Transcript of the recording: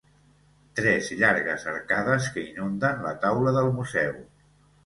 Tres llargues arcades que inunden la taula del museu.